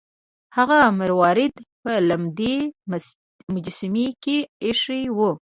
هغه مروارید په لمدې مجسمې کې ایښی و.